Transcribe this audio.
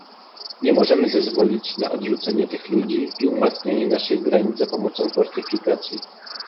Nie możemy zezwolić na odrzucanie tych ludzi i umacnianie naszych granic za pomocą fortyfikacji